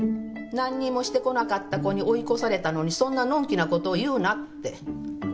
何にもしてこなかった子に追い越されたのにそんなのんきなことを言うなって怒ったんだよ。